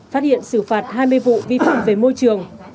phát hiện xử phạt hai mươi vụ vi phạm về môi trường